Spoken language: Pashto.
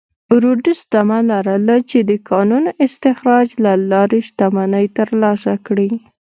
رودز تمه لرله چې د کانونو استخراج له لارې شتمنۍ ترلاسه کړي.